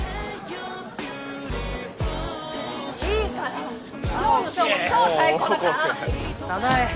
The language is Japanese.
いいから今日のショーも超最高だから早苗！